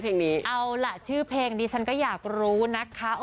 เอาล่ะชื่อเพลงดิฉันก็อยากรู้นะคะ